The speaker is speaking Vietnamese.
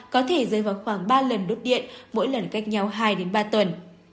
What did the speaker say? có thể rơi vào khoảng ba lần đốt điện mỗi lần cách nhau hai ba tuần